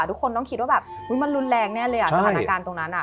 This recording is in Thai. ทุกคนต้องคิดว่าแบบมันรุนแรงแน่เลยอ่ะสถานการณ์ตรงนั้น